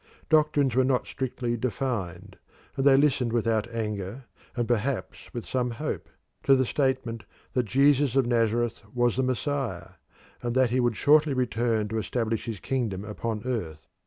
Doctrines were not strictly defined, and they listened without anger, and perhaps with some hope, to the statement that Jesus of Nazareth was the Messiah, and that he would shortly return to establish his kingdom upon earth.